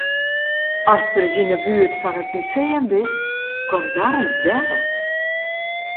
Ast ris yn 'e buert fan it museum bist, kom dan ris del.